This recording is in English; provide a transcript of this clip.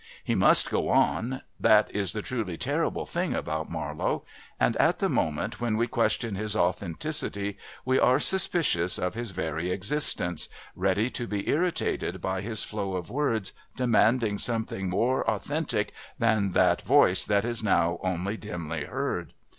He must go on that is the truly terrible thing about Marlowe and at the moment when we question his authenticity we are suspicious of his very existence, ready to be irritated by his flow of words demanding something more authentic than that voice that is now only dimly heard.